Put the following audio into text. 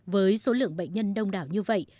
với số lượng bệnh nhân đông đảo như vậy